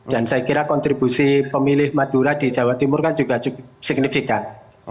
dan saya kira kontribusi pemilih madura di jawa timur kan juga signifikan